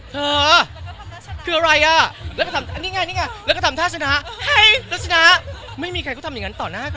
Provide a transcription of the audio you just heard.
เธอคืออะไรอ่ะแล้วก็ทำท่าชนะไม่มีใครก็ทำอย่างงั้นต่อหน้า